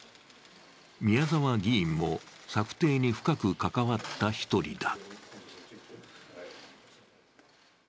宮澤議員も策定に深く関わった一人だ。